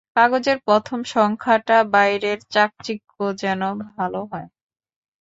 কাগজের প্রথম সংখ্যাটার বাইরের চাকচিক্য যেন ভাল হয়।